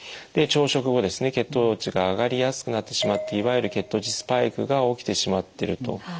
で朝食後ですね血糖値が上がりやすくなってしまっていわゆる血糖値スパイクが起きてしまってると。